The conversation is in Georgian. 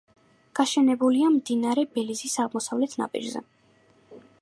გაშენებულია მდინარე ბელიზის აღმოსავლეთ ნაპირზე.